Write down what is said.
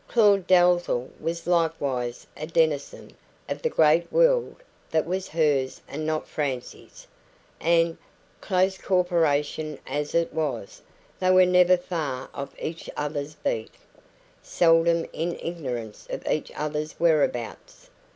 Claud Dalzell was likewise a denizen of the great world that was hers and not Francie's, and, close corporation as it is, they were never far off each other's beat, seldom in ignorance of each other's whereabouts.